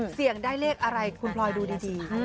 เสี่ยงได้เลขอะไรคุณพลอยดูดี